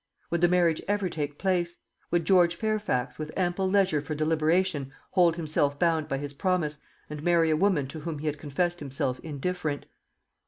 Would the marriage ever take place? Would George Fairfax, with ample leisure for deliberation, hold himself bound by his promise, and marry a woman to whom he had confessed himself indifferent?